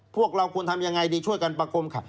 พวกเราควรทำยังไงดีช่วยกันประคมค่ะ